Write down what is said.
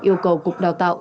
yêu cầu cục đào tạo